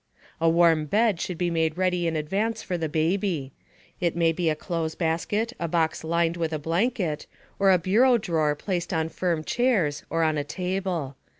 A warm bed should be made ready in advance for the baby. It may be a clothes basket, a box lined with a blanket, or a bureau drawer placed on firm chairs or on a table.